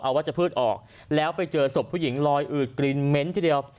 เอาว่าจะพืชออกแล้วไปเจอศพผู้หญิงลอยอืดกรีนเม้นท์ที่เดียว